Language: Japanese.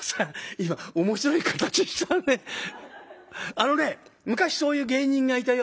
あのね昔そういう芸人がいたよ。